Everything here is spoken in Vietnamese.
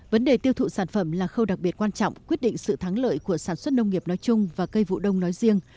vấn đề tiêu thụ sản phẩm là khâu đặc biệt quan trọng quyết định sự thắng lợi của sản xuất nông nghiệp nói chung và cây vụ đông nói riêng